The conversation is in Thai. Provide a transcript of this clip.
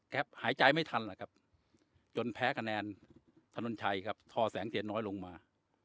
หายใจไม่ทันแหละครับจนแพ้คะแนนถนนชัยครับทอแสงเทียนน้อยลงมา